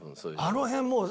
あの辺もう。